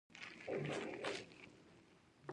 افریقایي متل وایي د وخت څخه مخکې پرېکړه مه کوئ.